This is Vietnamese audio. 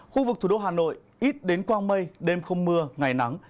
khu vực thủ đô hà nội ít đến quang mây đêm không mưa ngày nắng